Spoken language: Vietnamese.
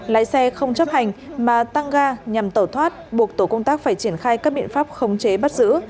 lái xe không chấp hành mà tăng ga nhằm tẩu thoát buộc tổ công tác phải triển khai các biện pháp khống chế bắt giữ